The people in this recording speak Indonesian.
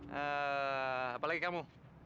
eeeh apa lagi kamu